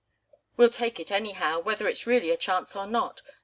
"We'll take it anyhow, whether it's really a chance or not.